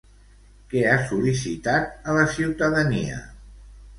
Què ha sol·licitat a la ciutadania?